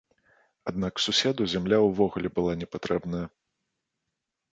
Аднак суседу зямля ўвогуле была не патрэбная.